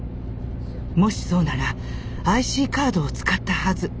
もしそうならＩＣカードを使ったはず。